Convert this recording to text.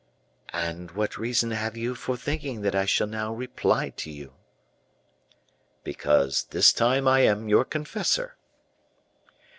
"And what reason have you for thinking that I shall now reply to you?" "Because this time I am your confessor."